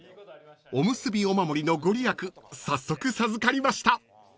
［おむすび御守の御利益早速授かりました］